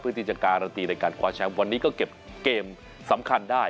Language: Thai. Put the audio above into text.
เพื่อที่จะการันตีในการคว้าแชมป์วันนี้ก็เก็บเกมสำคัญได้